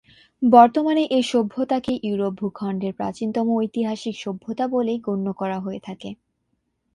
বর্তমানে এই সভ্যতাকে ইউরোপ ভূখণ্ডের প্রাচীনতম ঐতিহাসিক সভ্যতা বলে গণ্য করা হয়ে থাকে।